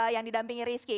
yang didampingi rizky